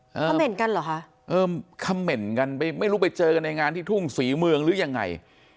คำเหน่นกันเหรอคะเออคำเหม็นกันไปไม่รู้ไปเจอกันในงานที่ทุ่งศรีเมืองหรือยังไง